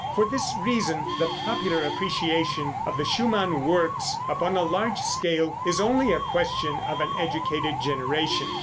For this reason the popular appreciation of the Schumann works upon a large scale is only a question of an educated generation.